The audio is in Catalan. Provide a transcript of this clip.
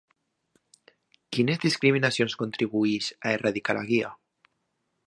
Quines discriminacions contribueix a erradicar la Guia?